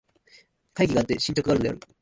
懐疑があって進歩があるのである。